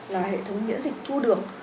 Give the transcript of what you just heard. là hệ thống miễn dịch thu được